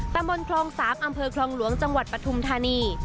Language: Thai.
ตำบลคลอง๓อำเภอคลองหลวงจังหวัดปฐุมธานี